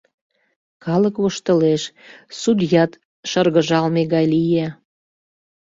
Калык воштылеш, судьят шыргыжалме гай лие.